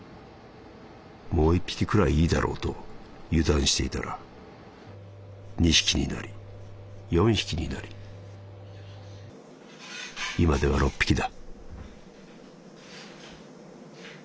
もう一匹くらいいいだろうと油断していたら二匹になり四匹になり今では六匹だ」。